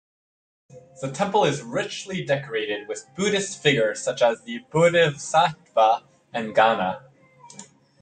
The temple is richly decorated with buddhist figures such as the Bodhisattva and gana.